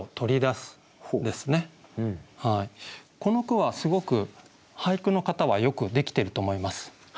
この句はすごく俳句の型はよくできてると思います。